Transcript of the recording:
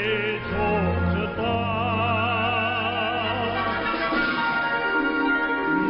ไม่ได้ชีวภาษาสิ้นไป